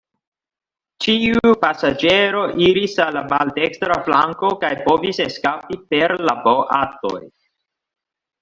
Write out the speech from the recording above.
Ĉiu pasaĝero iris al la maldekstra flanko kaj povis eskapi per la boatoj.